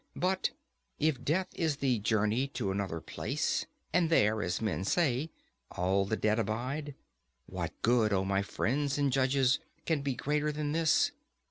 But if death is the journey to another place, and there, as men say, all the dead abide, what good, O my friends and judges, can be greater than this?